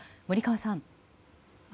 森川さん。